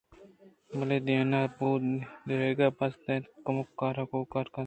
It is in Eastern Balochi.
بلے دِینہ بُو ءَ درِیگ بست اَنت ءُ کُمک ءَ کُوکار کُت